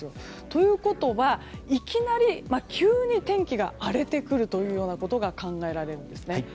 ということはいきなり急に天気が荒れてくるというようなことが考えられるんですね。